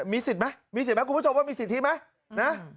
มีสิทธิ์ไหมมีสิทธิไหมคุณผู้ชมว่ามีสิทธิไหมนะ